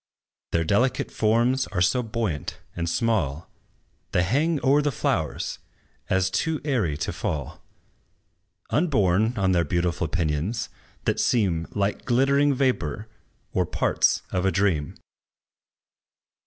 Their delicate forms are so buoyant and small, They hang o'er the flowers, as too airy to fall, Upborne on their beautiful pinions, that seem Like glittering vapor, or parts of a dream.